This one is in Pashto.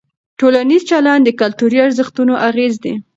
ټولنیز چلند د کلتوري ارزښتونو اغېز دی.